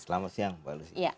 selamat siang pak lucy